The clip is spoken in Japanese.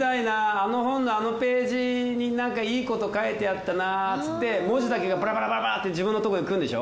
あの本のあのページになんかいいこと書いてあったなっつって文字だけがバラバラバラッて自分のところに来るんでしょ？